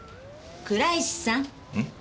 倉石さん。